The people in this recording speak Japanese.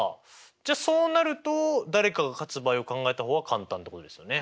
じゃあそうなると誰かが勝つ場合を考えた方が簡単ってことですよね。